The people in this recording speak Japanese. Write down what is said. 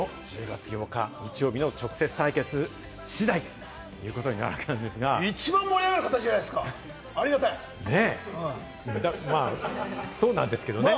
そうすると、１０月８日日曜日の直接対決次第。ということになるわけなんですが、一番盛り上がる形じゃないそうなんですけれどもね。